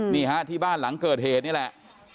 นี่ฮะที่บ้านหลังเกิดเหตุนี่แหละ